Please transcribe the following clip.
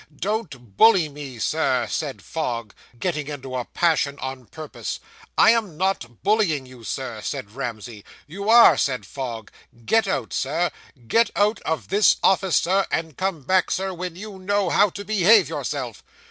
"Don't bully me, sir," said Fogg, getting into a passion on purpose. "I am not bullying you, sir," said Ramsey. "You are," said Fogg; "get out, sir; get out of this office, Sir, and come back, Sir, when you know how to behave yourself."